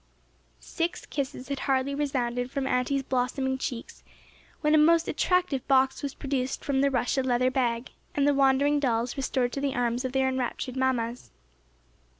Six kisses had hardly resounded from Aunty's blooming cheeks when a most attractive box was produced from the Russia leather bag, and the wandering dolls restored to the arms of their enraptured mammas.